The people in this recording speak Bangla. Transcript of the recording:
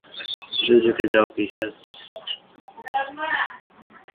দোযখে যাও, পিশাচ!